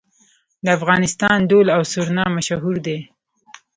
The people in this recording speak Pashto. د افغانستان دهل او سرنا مشهور دي